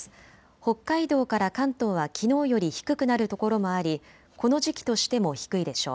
北海道から関東はきのうより低くなる所もあり、この時期としても低いでしょう。